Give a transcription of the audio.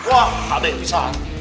wah kakek bisa